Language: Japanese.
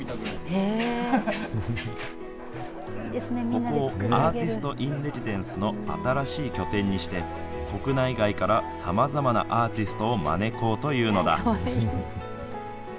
ここをアーティスト・イン・レジデンスの新しい拠点にして、国内外からさまざまなアーティストを招こうというのだ。